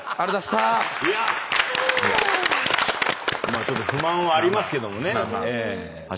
まあちょっと不満はありますけどもね。